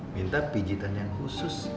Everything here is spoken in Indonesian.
minta pijitan yang khusus